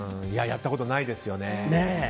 やったことないですよね。